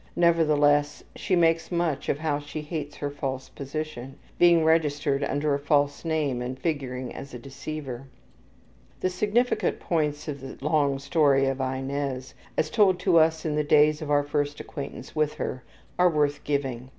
Nevertheless, she makes much of how she hates her false position, being registered under a false name and figuring as a deceiver. The significant points in the long story of Inez, as told to us in the days of our first acquaintance with her, are worth giving.